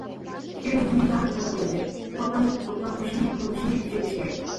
« پىكرى» مۇنۇلار تەلەپ قىلىندى: توختاملىق دوختۇر قوشۇنى قۇرۇلۇشىنى كۈچەيتىش كېرەك.